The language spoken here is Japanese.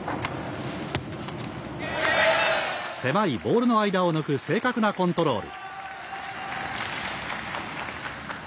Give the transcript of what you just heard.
狭いボールの間を抜く正確なコントロール。